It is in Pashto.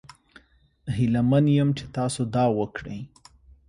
هیله من یم چې تاسو دا وکړي.